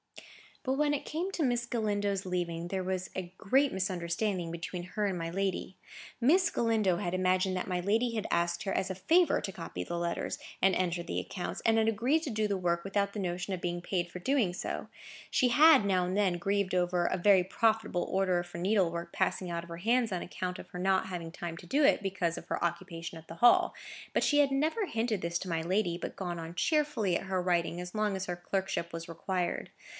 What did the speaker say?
But when it came to Miss Galindo's leaving, there was a great misunderstanding between her and my lady. Miss Galindo had imagined that my lady had asked her as a favour to copy the letters, and enter the accounts, and had agreed to do the work without the notion of being paid for so doing. She had, now and then, grieved over a very profitable order for needlework passing out of her hands on account of her not having time to do it, because of her occupation at the Hall; but she had never hinted this to my lady, but gone on cheerfully at her writing as long as her clerkship was required.